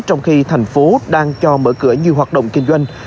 trong khi thành phố đang cho mở cửa nhiều hoạt động kinh doanh